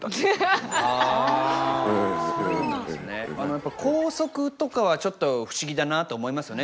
やっぱり校則とかはちょっと不思議だなと思いますよね